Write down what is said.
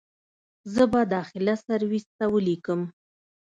زه به داخله سرويس ته وليکم.